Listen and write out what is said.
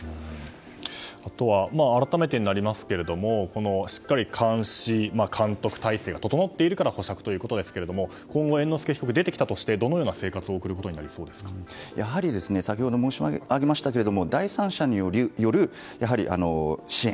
あとは改めてになりますがしっかり監視・監督体制が整っているから保釈ということですが今後、猿之助被告が出てきたとしてどのような生活を送ることにやはり先ほど申し上げましたが第三者による支援